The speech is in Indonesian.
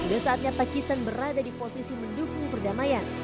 udah saatnya pakistan berada di posisi mendukung perdamaian